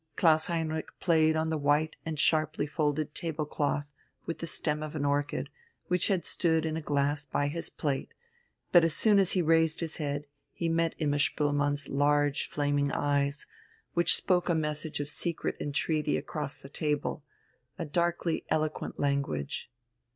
Klaus Heinrich played on the white and sharply folded table cloth with the stem of an orchid, which had stood in a glass by his plate; but as soon as he raised his head he met Imma Spoelmann's large, flaming eyes, which spoke a message of secret entreaty across the table, a darkly eloquent language.